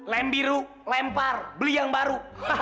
lem biru lempar beli yang baru